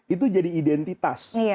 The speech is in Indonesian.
itu jadi identitas